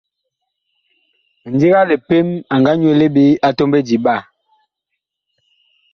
Mindiga lipem, a nga nyuele ɓe a tɔmbedi ɓaa.